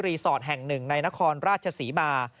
สอร์ทแห่งหนึ่งในนครราชศรีมา